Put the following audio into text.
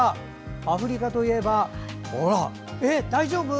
アフリカといえば大丈夫？